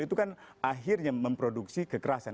itu kan akhirnya memproduksi kekerasan